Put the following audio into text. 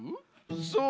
そう。